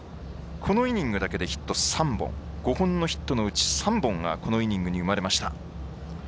このイニングだけでヒット３本、５本のヒットのうちの３本がこのイニングに生まれました。